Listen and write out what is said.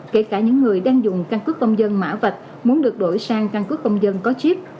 kể cả những người đang dùng căn cứ công dân mã vạch muốn được đổi sang căn cứ công dân có chip